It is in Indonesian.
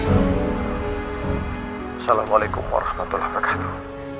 assalamualaikum warahmatullahi wabarakatuh